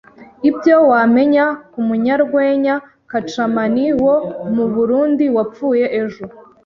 Ibyo wamenya ku munyarwenya Kacaman wo mu Burundi wapfuye ejo